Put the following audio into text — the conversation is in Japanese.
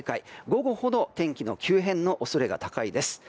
午後ほど天気の急変の恐れが高いです。